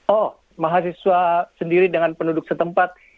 oh mahasiswa sendiri dengan penduduk setempat